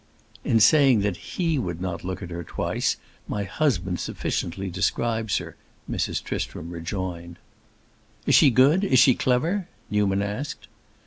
"In saying that he would not look at her twice, my husband sufficiently describes her," Mrs. Tristram rejoined. "Is she good; is she clever?" Newman asked.